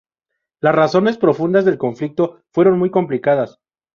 Las razones profundas del conflicto fueron muy complicadas.